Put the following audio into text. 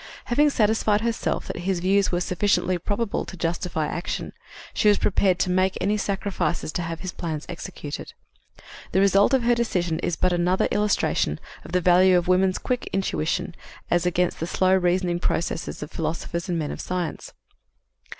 Having satisfied herself that his views were sufficiently probable to justify action, she was prepared to make any sacrifices to have his plans executed. The result of her decision is but another illustration of the value of woman's quick intuition, as against the slow reasoning processes of philosophers and men of science.